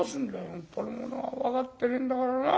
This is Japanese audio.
本当にもうな分かってねえんだからな。